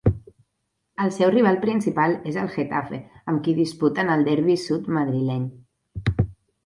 El seu rival principal és el Getafe amb qui disputen el derbi sud-madrileny.